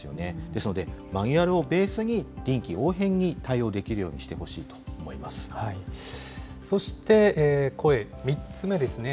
ですのでマニュアルをベースに臨機応変に対応できるようにしてほそして、声、３つ目ですね。